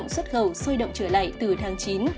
xuất khẩu sôi động trở lại từ tháng chín